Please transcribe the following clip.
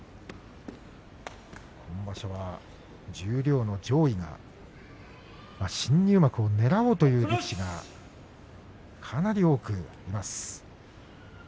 今場所十両の上位に新入幕をねらおうという力士がかなり多くいます。